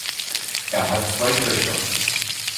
Er hat zwei Töchter.